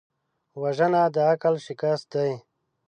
وژنه د عقل شکست دی